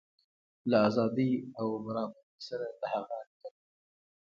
له ازادۍ او برابرۍ سره د هغه اړیکه ده.